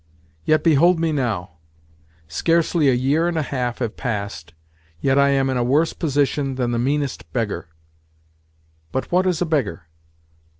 Yet behold me now. Scarcely a year and a half have passed, yet I am in a worse position than the meanest beggar. But what is a beggar?